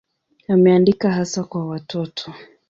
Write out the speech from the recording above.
Ameandika hasa kwa watoto.